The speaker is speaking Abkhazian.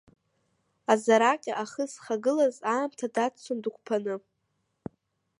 Азараҟьа ахы зхагылаз, аамҭа даццон дықәԥаны.